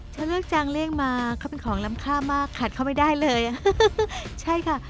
ฉันเลือกจางเลขมาเขาเป็นของล้ำค่ามากขัดเขาไม่ได้เลยใช่ค่ะ